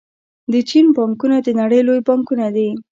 د چین بانکونه د نړۍ لوی بانکونه دي.